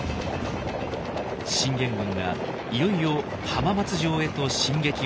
信玄軍がいよいよ浜松城へと進撃を始めます。